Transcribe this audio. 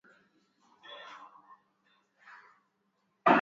kutangaza uhuru wao ilhali serikali ilishindwa nguvu ya kuwazuia jamhuri